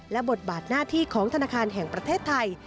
และบทบาทหน้าที่ของธนาคารแห่งประเทศไทย